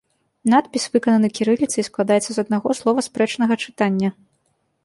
Надпіс выкананы кірыліцай і складаецца з аднаго слова спрэчнага чытання.